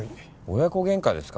親子げんかですか？